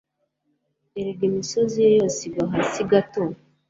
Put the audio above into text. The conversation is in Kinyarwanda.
Erega imisozi ye yose igwa hasi gato,